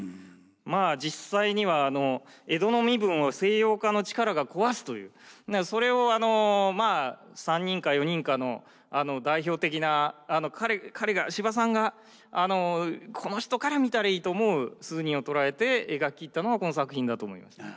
まあ実際には江戸の身分を西洋化の力が壊すというそれをまあ３人か４人かの代表的な司馬さんがこの人から見たらいいと思う数人をとらえて描き切ったのがこの作品だと思います。